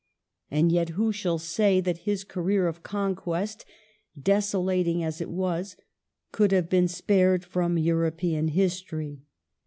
And yet who shall say that his career of conquest, desolating as it was, could have been spared from European history